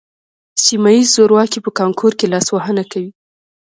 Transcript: سیمه ییز زورواکي په کانکور کې لاسوهنه کوي